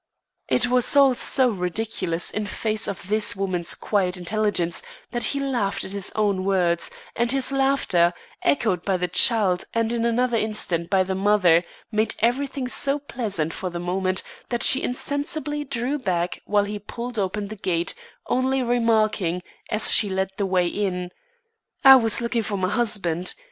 It was all so ridiculous in face of this woman's quiet intelligence, that he laughed at his own words, and this laughter, echoed by the child and in another instant by the mother, made everything so pleasant for the moment that she insensibly drew back while he pulled open the gate, only remarking, as she led the way in: "I was looking for my husband.